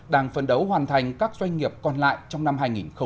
đang phân đấu hoàn thành các doanh nghiệp còn lại trong năm hai nghìn hai mươi